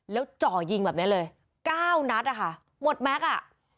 แล้วจ่อยิงแบบเนี้ยเลยเก้านัดอ่ะค่ะหมดแม็กซ์อ่ะ